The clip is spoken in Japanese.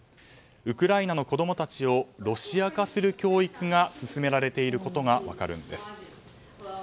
ウクライナの子供たちをロシア化する教育が進められていることが分かるんです。